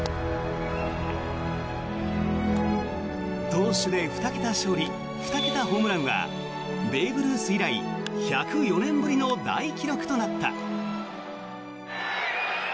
投手で２桁勝利２桁ホームランはベーブ・ルース以来１０４年ぶりの大記録となった。